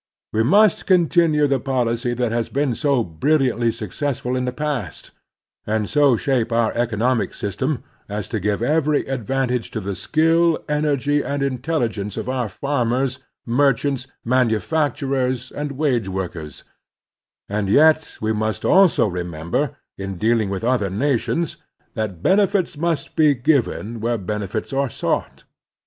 We must continue the policy that has been so brilliantly successful in the past, and so shape our economic system as to give every advantage to the skill, energy, and intelligence of our farmers, merchants, manufac turers, and wage workers ; and yet we must also remember, in dealing with other nations, that benefits must be given where benefits are sought.